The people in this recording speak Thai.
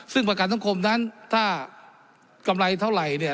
ซึ่งประกันสังคมนั้นถ้ากำไรเท่าไหร่เนี่ย